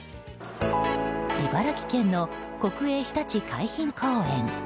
茨城県の国営ひたち海浜公園。